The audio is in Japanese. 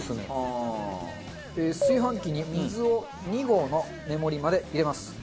炊飯器に水を２合の目盛りまで入れます。